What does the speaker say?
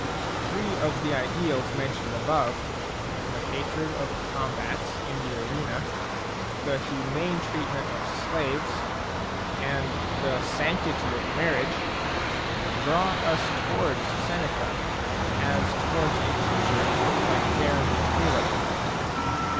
Three of the ideals mentioned above, the hatred of combats in the arena, the humane treatment of slaves, and the sanctity of marriage, draw us towards Seneca as towards a teacher like Jeremy Taylor.